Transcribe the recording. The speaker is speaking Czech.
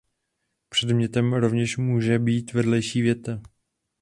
Předmětem rovněž může být vedlejší věta.